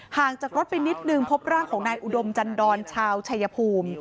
งจากรถไปนิดนึงพบร่างของนายอุดมจันดรชาวชายภูมิ